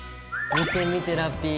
見て見てラッピィ。